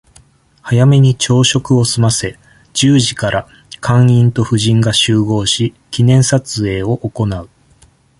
早めに朝食を済ませ、十時から、館員と夫人が集合し、記念撮影を行う。